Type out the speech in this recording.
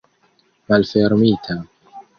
malfermita